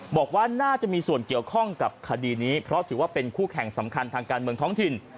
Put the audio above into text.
บอกว่าน่าจะมีส่วนเกี่ยวข้องกับคดีนี้เพราะถือว่าเป็นคู่แข่งสำคัญทางการเมืองท้องถิ่น